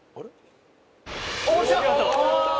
おっしゃ！